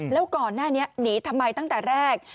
แล้วก่อนหน้านี้หนีทำไมตั้งแต่แรก